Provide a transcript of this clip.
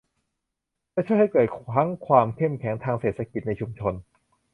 จะช่วยให้เกิดทั้งความเข้มแข็งทางเศรษฐกิจในชุมชน